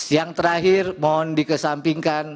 yang terakhir mohon dikesampingkan